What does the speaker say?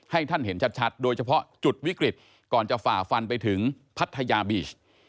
ให้ท่านเห็นชัดโดยเฉพาะจุดวิกฤตก่อนจะฝ่าฟันไปถึงพัทยาบีช